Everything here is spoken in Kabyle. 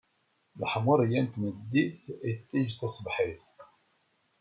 Leḥmuṛegga n tmeddit, iṭij taṣebḥit.